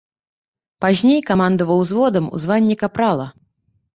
Пазней камандаваў узводам у званні капрала.